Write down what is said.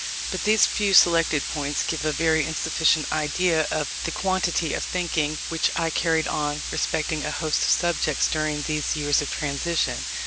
But these few selected points give a very insufficient idea of the quantity of thinking which I carried on respecting a host of subjects during these years of transition.